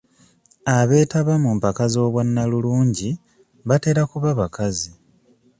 Abeetaba mu mpaka z'obwannalulungi batera kuba bakazi.